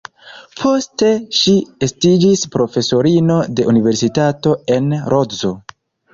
Poste ŝi estiĝis profesorino de Universitato en Lodzo.